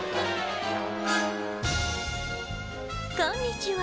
こんにちは。